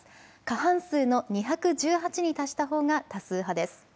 過半数の２１８に達したほうが多数派です。